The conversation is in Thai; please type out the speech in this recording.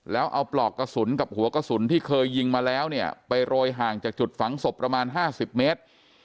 แล้วเอาปลอกกระสุนกับหัวกระสุนที่เคยยิงมาแล้วเนี่ยไปโรยห่างจากจุดฝังศพประมาณ๕๐เมตร